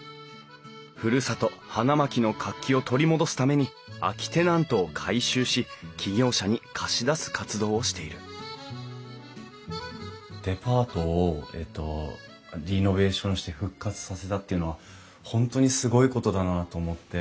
ふるさと花巻の活気を取り戻すために空きテナントを改修し起業者に貸し出す活動をしているデパートをリノベーションして復活させたっていうのは本当にすごいことだなと思って。